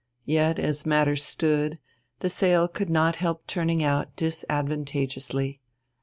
Yet, as matters stood, the sale could not help turning out disadvantageously.